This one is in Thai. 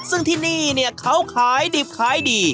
ซึ่งที่นี่เขาขายดิบขายดี